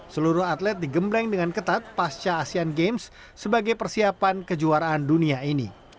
seluruh atlet digembleng dengan ketat pasca asean games sebagai persiapan kejuaraan dunia ini